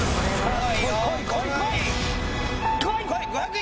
あ！